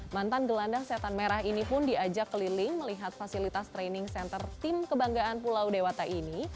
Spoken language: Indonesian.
mantan gelandang setan merah ini pun diajak keliling melihat fasilitas training center tim kebanggaan pulau dewata ini